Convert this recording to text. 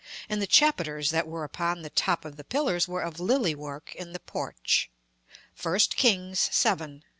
and the chapiters that were upon the top of the pillars were of lily work in the porch." (1 Kings, vii.